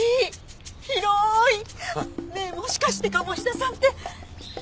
広い！ねえもしかして鴨志田さんってお金持ち？